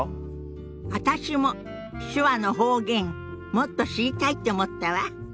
私も手話の方言もっと知りたいって思ったわ。